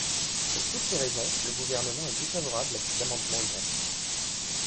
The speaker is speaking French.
Pour toutes ces raisons, le Gouvernement est défavorable à ces amendements identiques.